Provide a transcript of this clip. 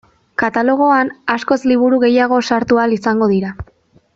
Katalogoan askoz liburu gehiago sartu ahal izango dira.